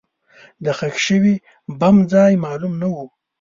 د ښخ شوي بم ځای معلوم نه و.